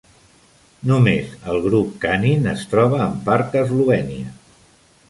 Només el grup Kanin es troba en part a Eslovènia.